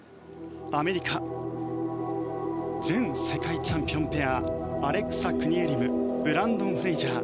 アメリカ前世界チャンピオンペアアレクサ・クニエリムブランドン・フレイジャー。